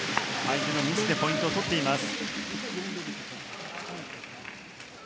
相手のミスでポイントを取っています。